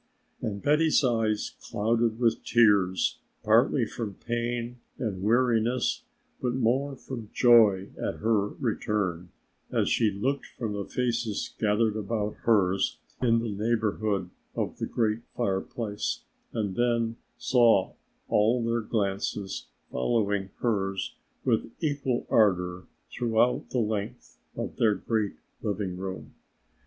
And Betty's eyes clouded with tears, partly from pain and weariness but more from joy at her return, as she looked from the faces gathered about hers in the neighborhood of the great fireplace and then saw all their glances follow hers with equal ardor throughout the length of their great living room.